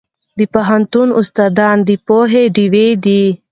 د پوهنتون استادان د پوهې ډیوې دي.